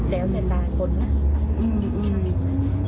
เดี๋ยวจะได้ผลน่ะ